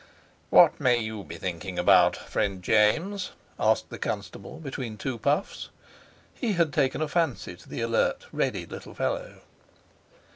"What may you be thinking about, friend James?" asked the constable between two puffs. He had taken a fancy to the alert, ready little fellow.